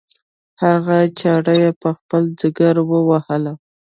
هغه چاړه یې په خپل ځګر ووهله.